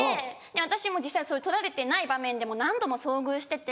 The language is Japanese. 私も実際撮られてない場面でも何度も遭遇してて。